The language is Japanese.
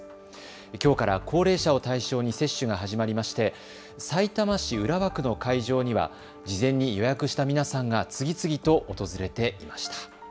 きょうから高齢者を対象に接種が始まりましてさいたま市浦和区の会場には、事前に予約した皆さんが次々と訪れていました。